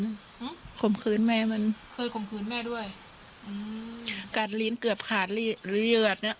อืมข่มขืนแม่มันเคยข่มขืนแม่ด้วยอืมกัดลิ้นเกือบขาดหรือเหยือแบบเนี้ย